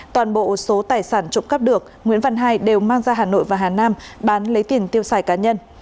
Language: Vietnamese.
toàn bộ số tài sản trộm cắp được nguyễn văn hai đều mang ra hà nội và hà nam bán lấy tiền tiêu xài cá nhân